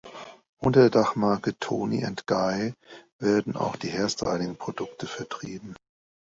Unter der Dachmarke Toni&Guy werden auch die Hairstyling-Produkte vertrieben.